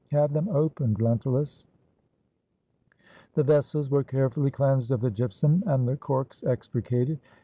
Have them opened, Lentulus." The vessels were carefully cleansed of the gypsum, and the corks extricated.